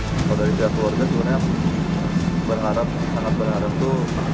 kalau dari pihak keluarga sebenarnya berharap sangat berharap itu